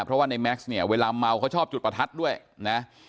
เพราะว่าในแม็กซ์เนี่ยเวลาเมาเขาชอบจุดประทัดด้วยนะ